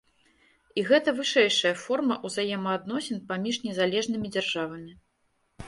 І гэта вышэйшая форма ўзаемаадносін паміж незалежнымі дзяржавамі.